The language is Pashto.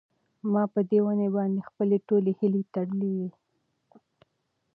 ما په دې ونې باندې خپلې ټولې هیلې تړلې وې.